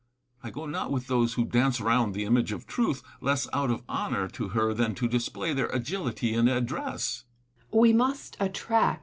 I go not with those who dance round tlie image of Trutli, less out of honour to her than to display their agility and address. Seneca. We must attract